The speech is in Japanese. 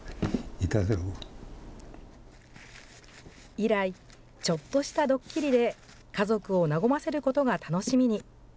以来、ちょっとしたドッキリで家族を和ませることが楽しみに。